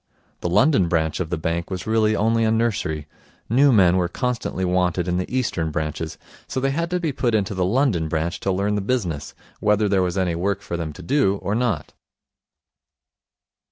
The London branch of the bank was really only a nursery. New men were constantly wanted in the Eastern branches, so they had to be put into the London branch to learn the business, whether there was any work for them to do or not.